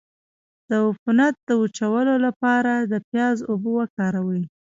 د عفونت د وچولو لپاره د پیاز اوبه وکاروئ